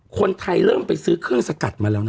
คนไทยเริ่มไปซื้อเครื่องสกัดมาแล้วนะ